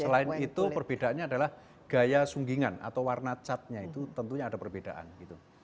selain itu perbedaannya adalah gaya sunggingan atau warna catnya itu tentunya ada perbedaan gitu